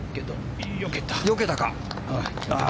よけたか。